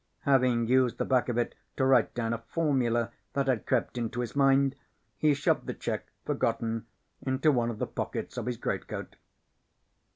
Having used the back of it to write down a formula that had crept into his mind, he shoved the check, forgotten, into one of the pockets of his greatcoat.